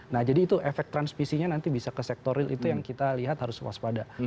nah jadi itu efek transmisinya nanti bisa ke sektor real itu yang kita lihat harus waspada